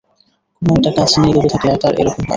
কোনো-একটা কাজ নিয়ে ডুবে থাকলে তাঁর এ-রকম হয়।